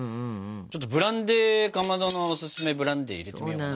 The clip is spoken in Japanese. ちょっとブランデーかまどのおすすめブランデー入れてみよかな。